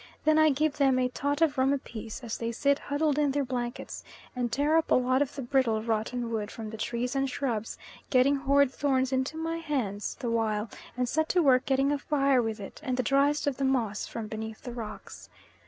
Then I give them a tot of rum apiece, as they sit huddled in their blankets, and tear up a lot of the brittle, rotten wood from the trees and shrubs, getting horrid thorns into my hands the while, and set to work getting a fire with it and the driest of the moss from beneath the rocks.